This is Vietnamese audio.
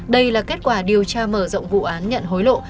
đây là kết quả điều tra mở rộng vụ án nhận hối lộ